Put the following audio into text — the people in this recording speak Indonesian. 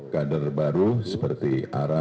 kader baru seperti ara